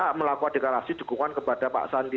kita melakukan deklarasi dukungan kepada pak sandi